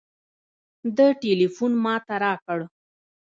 ده ټېلفون ما ته راکړ.